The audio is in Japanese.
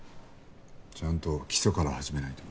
ちゃんと基礎から始めないと。